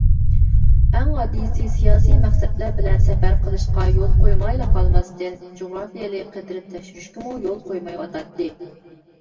ئەڭ ئاددىيسى سىياسىي مەقسەتلەر بىلەن سەپەر قىلىشقا يول قويمايلا قالماستىن جۇغراپىيەلىك قىدىرىپ تەكشۈرۈشكىمۇ يول قويمايۋاتاتتى.